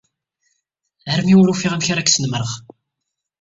Armi ur ufiɣ amek ara k-snamreɣ.